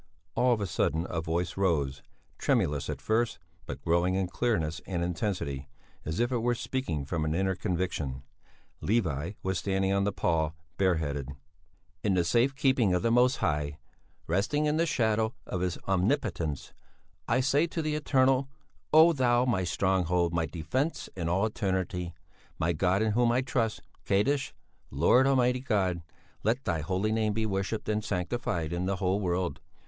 All of a sudden a voice rose, tremulous at first, but growing in clearness and intensity, as if it were speaking from an inner conviction. Levi was standing on the pall, bare headed: "In the safe keeping of the Most High, resting in the shadow of His omnipotence, I say to the Eternal: Oh, Thou my stronghold, my defence in all eternity, my God in whom I trust Kaddisch. Lord, Almighty God, let Thy holy name be worshipped and sanctified in the whole world.